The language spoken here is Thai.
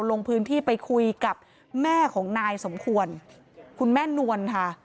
ลงพื้นที่ไปคุยกับแม่ของนายสมควรคุณแม่นวลค่ะ